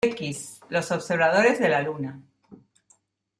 X Los observadores de la Luna.